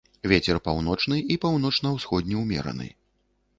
Вецер паўночны і паўночна-ўсходні ўмераны.